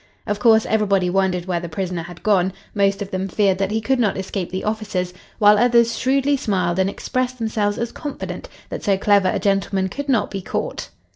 Of course, everybody wondered where the prisoner had gone; most of them feared that he could not escape the officers, while others shrewdly smiled and expressed themselves as confident that so clever a gentleman could not be caught.